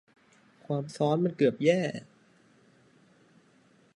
ความซัอนมันเกือบแย่